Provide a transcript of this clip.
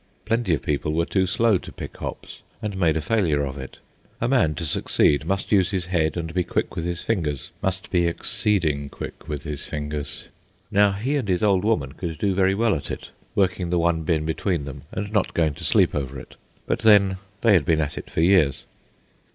Plenty of people were too slow to pick hops and made a failure of it. A man, to succeed, must use his head and be quick with his fingers, must be exceeding quick with his fingers. Now he and his old woman could do very well at it, working the one bin between them and not going to sleep over it; but then, they had been at it for years.